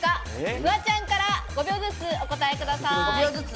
フワちゃんから５秒ずつお答えください。